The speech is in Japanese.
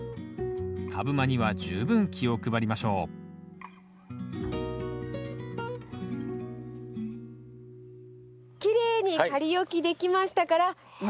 株間には十分気を配りましょうきれいに仮置きできましたからいよいよ植えつけですね。